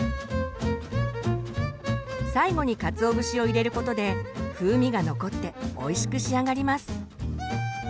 最後にかつお節を入れることで風味が残っておいしく仕上がります。